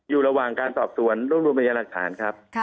อยู่ระหว่างการสอบสวนรวบรวมพยาหลักฐานครับ